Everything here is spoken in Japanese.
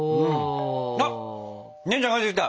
あっ姉ちゃん帰ってきた。